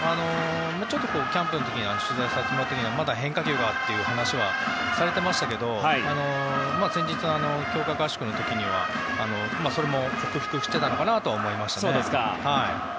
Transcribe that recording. ちょっとキャンプの時取材させてもらった時はまだ変化球がっていう話はされてましたけど先日、強化合宿の時にはそれも克服していたのかなと思いますね。